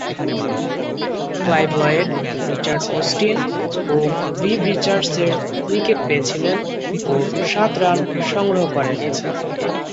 Clive Lloyd, Richard Austin ও Viv রিচার্ডসের wicket পেয়েছিলেন ও সাত রান সংগ্রহ করেন।